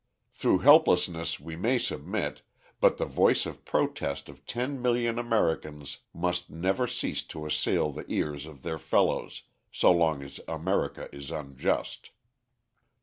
Through helplessness we may submit, but the voice of protest of ten million Americans must never cease to assail the ears of their fellows, so long as America is unjust.